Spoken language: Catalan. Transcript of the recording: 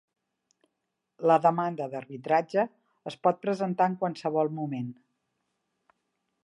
La demanda d'arbitratge es pot presentar en qualsevol moment.